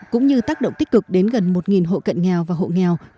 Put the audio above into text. cũng như tác động tích cực đến gần một hộ cận nghèo và hộ nghèo